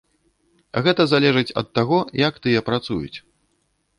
Гэта залежыць ад таго, як тыя працуюць.